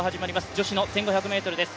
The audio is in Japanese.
女子の１５００ｍです